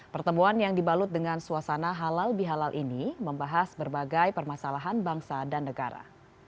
pertemuan yang dibalut dengan suasana halal bihalal ini membahas berbagai permasalahan bangsa dan negara